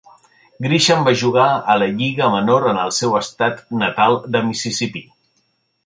Grisham va jugar a la lliga menor en el seu estat natal de Mississippi.